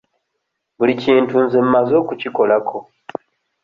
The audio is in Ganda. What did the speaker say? Buli kintu nze mmaze okukikolako.